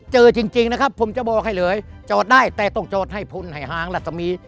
เจอจริงจริงนะครับผมจะบอกให้เลยจอดได้แต่ต้องจอดให้พลหายหางลักษณีย์